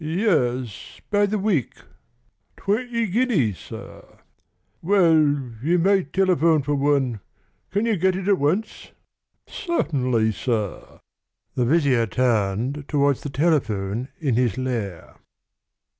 "Yes, by the week?" "Twenty guineas, sir." "Well, you might telephone for one. Can you get it at once?" "Certainly, sir." The vizier turned towards the telephone in his lair.